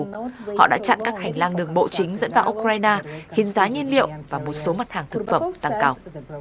họ đã chặn các hành lang đường bộ chính dẫn vào ukraine khiến giá nhiên liệu và một số mặt hàng thực phẩm tăng cao